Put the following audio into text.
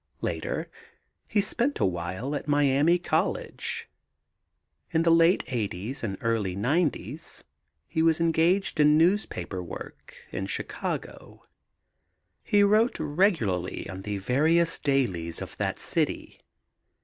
Later he spent a while at Miami College. In the late eighties and early nineties he was engaged in newspaper work in Chicago. He wrote regularly on the various dailies of that city.